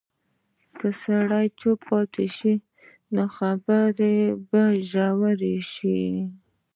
که سړی چوپ پاتې شي، نو خبرې به ژورې شي.